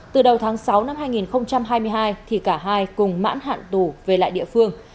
từ đầu tháng sáu năm hai nghìn hai mươi hai thì cả hai cùng mãn hạn tù về lại địa phương